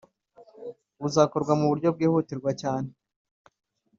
buzakorwa ku buryo bwihutirwa cyane.